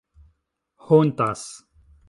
hontas